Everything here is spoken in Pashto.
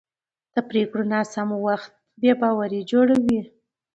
د پرېکړو ناسم وخت بې باوري جوړوي